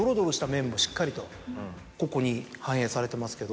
しっかりとここに反映されてますけど。